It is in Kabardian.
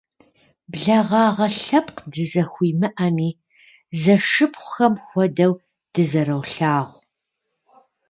Благъагъэ лъэпкъ дызэхуимыӏэми, зэшыпхъухэм хуэдэу дызэролъагъу.